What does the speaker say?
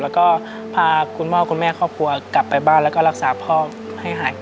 แล้วก็พาคุณพ่อคุณแม่ครอบครัวกลับไปบ้านแล้วก็รักษาพ่อให้หาย